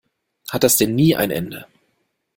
Hat das denn nie ein Ende?